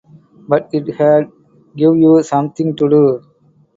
But it'd give you something to do.